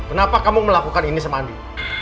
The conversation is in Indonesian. kenapa kamu melakukan ini sama andi